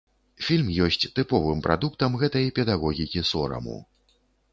Фільм ёсць тыповым прадуктам гэтай педагогікі сораму.